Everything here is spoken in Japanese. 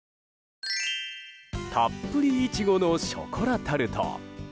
たっぷり苺のショコラタルト。